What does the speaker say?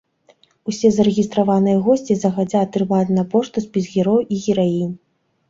Усе зарэгістраваныя госці загадзя атрымаюць на пошту спіс герояў і гераінь.